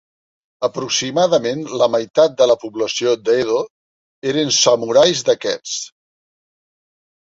Aproximadament la meitat de la població d'Edo eren samurais d'aquests.